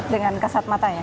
dengan kasat mata ya